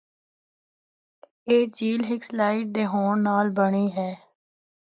اے جھیل ہک سلائیڈ دے ہونڑا نال بنڑی ہے۔